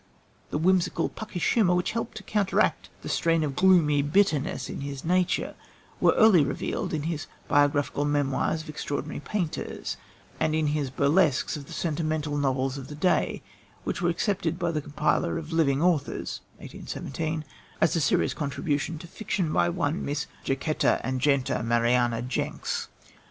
The whimsical, Puckish humour, which helped to counteract the strain of gloomy bitterness in his nature, was early revealed in his Biographical Memoirs of Extraordinary Painters and in his burlesques of the sentimental novels of the day, which were accepted by the compiler of Living Authors (1817) as a serious contribution to fiction by one Miss Jacquetta Agneta Mariana Jenks.